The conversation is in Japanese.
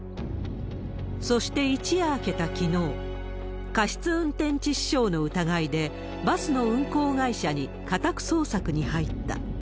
そして、一夜明けたきのう、過失運転致死傷の疑いで、バスの運行会社に家宅捜索に入った。